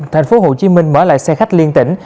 thành phố hồ chí minh mở lại xe khách liên tỉnh